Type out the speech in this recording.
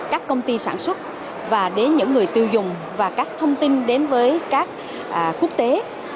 các công ty sản xuất và đến những người tiêu dùng và các thông tin đến với các quốc tế